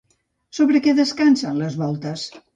Sobre què descansen les voltes?